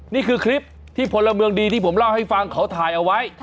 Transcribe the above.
นี่คือคลิปที่พลเมืองดีที่ผมเล่าให้ฟังเขาถ่ายเอาไว้